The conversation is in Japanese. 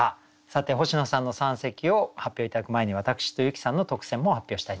さて星野さんの三席を発表頂く前に私と由紀さんの特選も発表したいと思います。